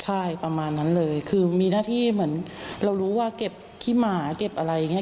ใช่ประมาณนั้นเลยคือมีหน้าที่เหมือนเรารู้ว่าเก็บขี้หมาเก็บอะไรอย่างนี้